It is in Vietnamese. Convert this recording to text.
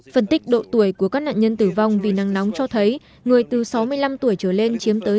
phân tích độ tuổi của các nạn nhân tử vong vì nắng nóng cho thấy người từ sáu mươi năm tuổi trở lên chiếm tới